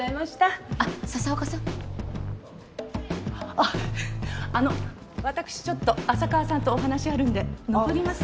あっあの私ちょっと浅川さんとお話あるんで残ります。